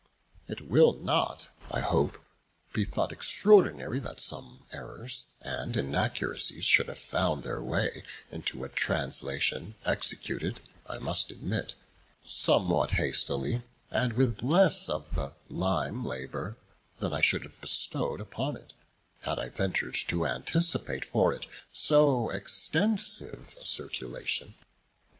It will not, I hope, be thought extraordinary that some errors and inaccuracies should have found their way into a translation executed, I must admit, somewhat hastily, and with less of the "limae labor" than I should have bestowed upon it, had I ventured to anticipate for it so extensive a circulation.